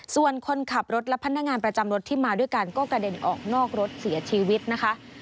ส่วนคนขับรถและพนักงานประจำรถที่มาด้วยกันก็กระเด็นออกนอกรถเสียชีวิตนะคะ